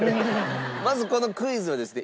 まずこのクイズはですね